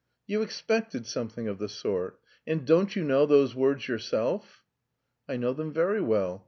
"You expected something of the sort? And don't you know those words yourself?" "I know them very well.